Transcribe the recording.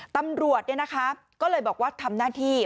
ตำรวจก็เลยบอกว่าทำหน้าที่